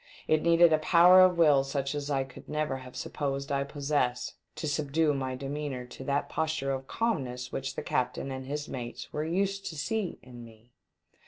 It needed a power of will such as I could never have supposed I possessed to subdue my demeanour to that posture of calmness which the captain and his mates were used to see in me.